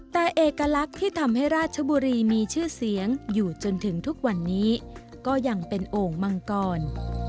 แต่เอกลักษณ์ที่ทำให้ราชบุรีมีชื่อเสียงอยู่จนถึงทุกวันนี้ก็ยังเป็นโอ่งมังกร